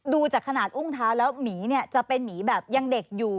ดูจากขนาดอุ้งเท้าแล้วหมีเนี่ยจะเป็นหมีแบบยังเด็กอยู่